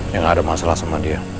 ya nggak ada masalah sama dia